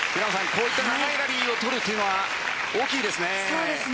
こういった流れがリードを取るというのは大きいですね。